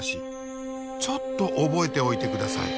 ちょっと覚えておいて下さい。